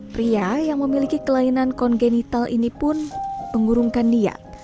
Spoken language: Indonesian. pria yang memiliki kelainan kongenital ini pun mengurungkan niat